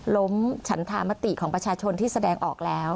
ฉันธามติของประชาชนที่แสดงออกแล้ว